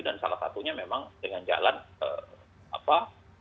dan salah satunya memang dengan jalan apa